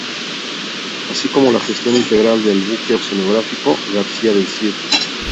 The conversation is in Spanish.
Así como la gestión integral del Buque Oceanográfico "García del Cid".